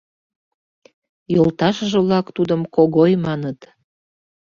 Йолташыже-влак тудым Когой маныт.